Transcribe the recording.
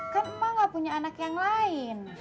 kan emak gak punya anak yang lain